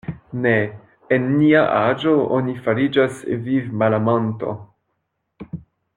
Ne en nia aĝo oni fariĝas vivmalamanto.